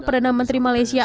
perdana menteri malaysia